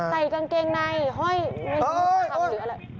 ใส่กางเกงในห้อยห้อยห้อย